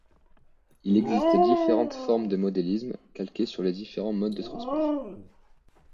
Il existe différentes formes de modélisme, calquées sur les différents modes de transport.